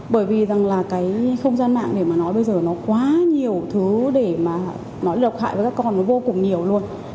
bởi vì rằng là cái không gian mạng để mà nói bây giờ nó quá nhiều thứ để mà nói lộc hại với các con nó vô cùng nhiều luôn